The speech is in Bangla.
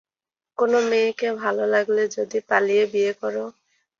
‘কোন মেয়েকে ভাল লাগলে যদি পালিয়ে বিয়ে করো?’